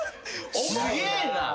すげえな。